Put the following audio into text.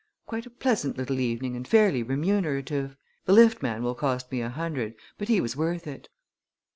Quite a pleasant little evening and fairly remunerative! The lift man will cost me a hundred but he was worth it."